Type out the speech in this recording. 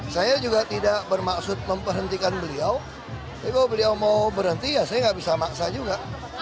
saya juga tidak bermaksud memperhentikan beliau tapi kalau beliau mau berhenti ya saya nggak bisa maksa juga